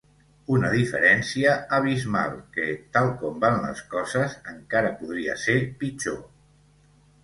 Una diferència abismal, que, tal com van les coses, encara podria ser pitjor.